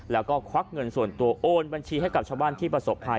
แล้วก็ควักเงินส่วนตัวโอนบัญชีให้กับชาวบ้านที่ประสบภัย